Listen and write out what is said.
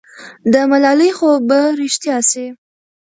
د ملالۍ خوب به رښتیا سي.